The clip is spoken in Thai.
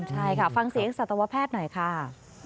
ใช่ค่ะฟังเสียงสัตวแพทย์หน่อยค่ะ